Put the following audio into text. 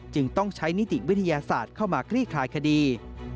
จึงต้องใช้นิติวิทยาศาสตร์เข้ามาคลี่คลายคดี